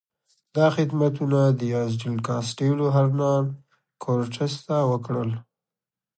دا خدمتونه دیاز ډیل کاسټیلو هرنان کورټس ته وکړل.